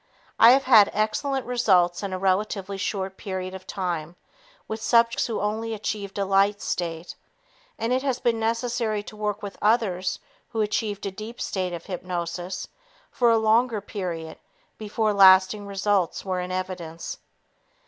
I have had excellent results in a relatively short period of time with subjects who only achieved a light state, and it has been necessary to work with others who achieved a deep state of hypnosis for a longer period before lasting results were in evidence.